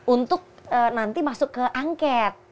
untuk nanti masuk ke angket